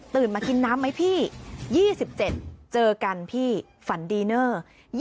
มากินน้ำไหมพี่๒๗เจอกันพี่ฝันดีเนอร์